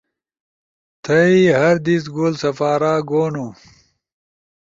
تھئی ہر دیس گول سپارا گونو